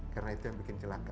karena itu yang bikin celaka